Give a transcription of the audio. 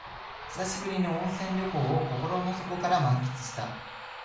久しぶりの温泉旅行を心の底から満喫した